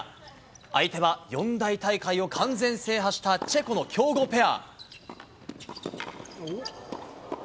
相手は四大大会を完全制覇した、チェコの強豪ペア。